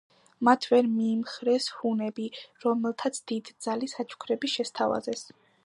მათ ვერ მიიმხრეს ჰუნები, რომელთაც დიდძალი საჩუქრები შესთავაზეს.